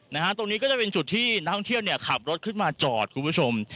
นะฮะตรงนี้ก็จะเป็นจุดที่นักท่องเที่ยวเนี่ยขับรถขึ้นมาจอดคุณผู้ชม